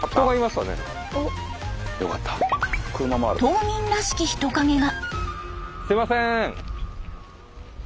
島民らしき人影が。